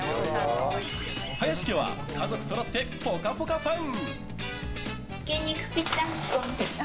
林家は、家族そろって「ぽかぽか」ファン。